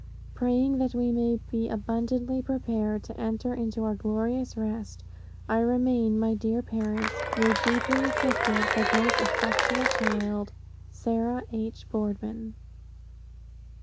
"Praying that we may be abundantly prepared to enter into our glorious rest, I remain, my dear parents, your deeply afflicted, but most affectionate child, "Sarah H. Boardman."